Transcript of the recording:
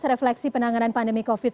refleksi penanganan pandemi covid sembilan